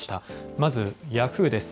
まずヤフーです。